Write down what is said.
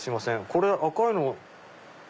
これ赤いの。